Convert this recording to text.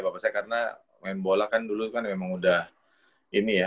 bapak saya karena main bola kan dulu kan memang udah ini ya